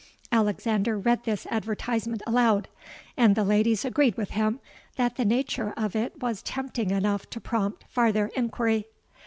'—Alexander read this advertisement aloud; and the ladies agreed with him that the nature of it was tempting enough to prompt farther enquiry.